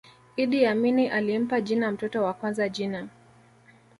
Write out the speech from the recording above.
iddi amini alimpa jina mtoto wa kwanza jina